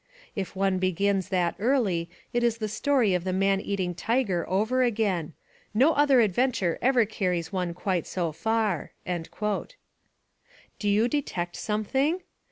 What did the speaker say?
If one be gins that early it is the story of the man eating tiger over again no other adventure ever carries one quite so far." Do you detect something?